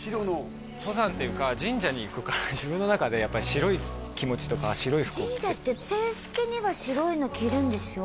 登山というか神社に行くから自分の中でやっぱり白い気持ちとか白い服を着て神社って正式には白いの着るんですよ